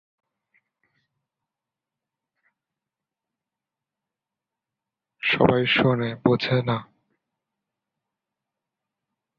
পরবর্তী তিনি সেনাবাহিনীতে ফেরত যান এবং এক রেজিমেন্টাল কর্নেলের সচিব হিসেবে কর্পোরাল পদে যোগদান করেন।